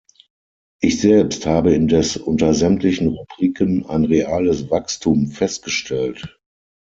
Ich selbst habe indes unter sämtlichen Rubriken ein reales Wachstum festgestellt.